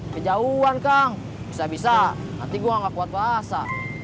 kejauhan kang bisa bisa nanti gue gak kuat basah